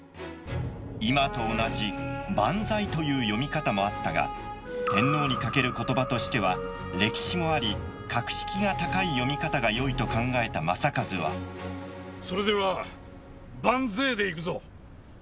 今と同じ「バンザイ」という読み方もあったが天皇にかけることばとしては歴史もあり格式が高い読み方がよいと考えた正一はそれでは「バンゼイ」でいくぞ。